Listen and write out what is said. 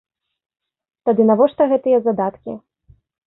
Тады навошта гэтыя задаткі?